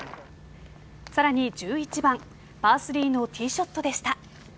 さらに１１番パー３のティーショットでした。